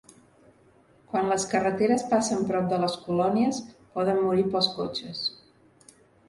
Quan les carreteres passen prop de les colònies, poden morir pels cotxes.